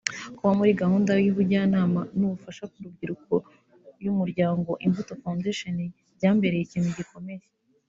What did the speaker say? Kuba muri gahunda y’ubujyanama n’ubufasha ku rubyiruko y’Umuryango Imbuto Foundation byambereye ikintu gikomeye